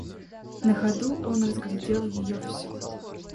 На ходу он разглядел ее всю.